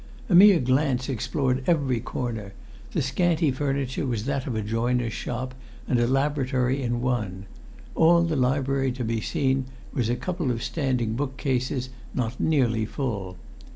A mere glance explored every corner; the scanty furniture was that of a joiner's shop and a laboratory in one; all the library to be seen was a couple of standing bookcases, not nearly full.